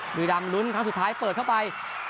บุรีรำลุ้นครั้งสุดท้ายเปิดเข้าไป